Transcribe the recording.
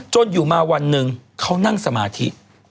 อยู่มาวันหนึ่งเขานั่งสมาธิ